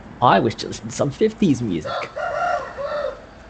I wish to listen to some fifties music.